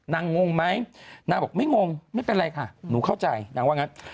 งงไหมนางบอกไม่งงไม่เป็นไรค่ะหนูเข้าใจนางว่างั้น